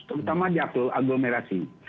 terutama di aglomerasi